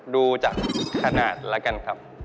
ดูจากขนาดแล้วกันครับ